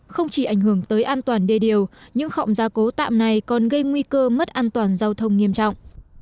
không chỉ ảnh hưởng tới an toàn đê điều những khọng gia cố tạm này còn gây nguy cơ mất an toàn giao thông nghiêm trọng